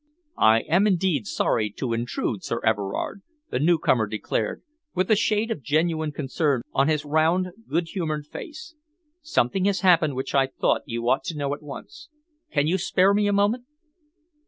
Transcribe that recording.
"I am indeed sorry to intrude, Sir Everard," the newcomer declared, with a shade of genuine concern on his round, good humoured face. "Something has happened which I thought you ought to know at once. Can you spare me a moment?"